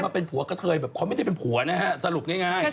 เป็นผัวกระเทยแบบเขาไม่ได้เป็นผัวนะฮะสรุปง่าย